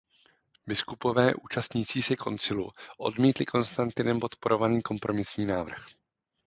Biskupové účastnící se koncilu odmítli Konstantinem podporovaný kompromisní návrh.